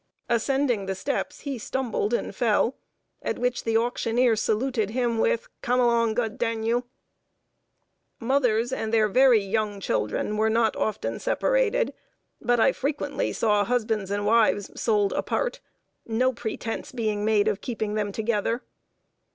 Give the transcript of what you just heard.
Ascending the steps, he stumbled and fell, at which the auctioneer saluted him with "Come along, G d d n you!" [Sidenote: MOTHERS AND CHILDREN. "DEFECTS."] Mothers and their very young children were not often separated; but I frequently saw husbands and wives sold apart; no pretense being made of keeping them together.